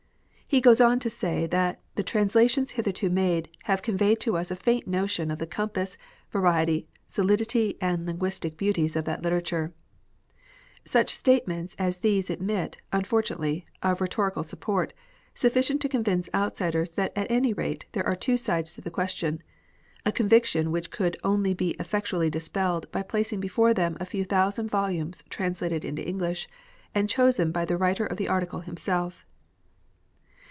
He goes on to say that the translations hitherto made " have conveyed to us a faint notion of the compass, variety, solidity, and linguistic beauties of that literature/^ Such statements as these admit, unfortunately, of rhetorical support, sufficient to convince outsiders that at any rate there are two sides to the question, a conviction which could only be effectually dispelled by placing before them a few thousand volumes translated into English, and chosen by the writer of the article himself.